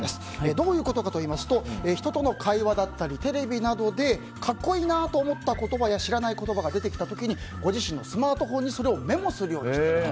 どういうことかといいますと人との会話だったりテレビなどで格好いいなと思った言葉や知らない言葉が出てきた時にご自身のスマートフォンにそれをメモするようにしていると。